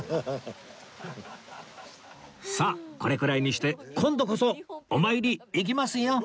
さあこれくらいにして今度こそお参り行きますよ